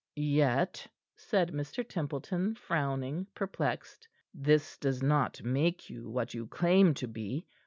"Yet," said Mr. Templeton, frowning, perplexed, "this does not make you what you claim to be.